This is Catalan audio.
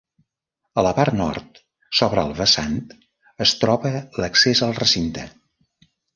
A la part nord sobre el vessant es troba l'accés al recinte.